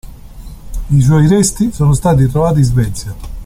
I suoi resti sono stati trovati in Svezia.